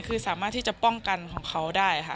คือสามารถที่จะป้องกันของเขาได้ค่ะ